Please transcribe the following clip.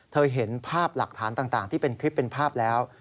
เห็นภาพหลักฐานต่างที่เป็นคลิปเป็นภาพแล้ว